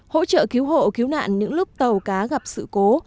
hỗ trợ cứu hộ cứu nạn những lúc tàu cá gặp sự cố